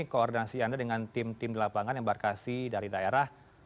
koordinasi anda dengan tim tim di lapangan embarkasi dari daerah